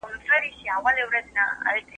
ایا هلک لا هم د خونې دروازه په لغتو وهي؟